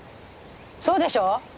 そうでしょう？